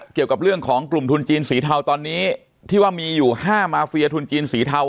เกี่ยวกับเรื่องของกลุ่มทุนจีนสีเทาตอนนี้ที่ว่ามีอยู่๕มาเฟียทุนจีนสีเทา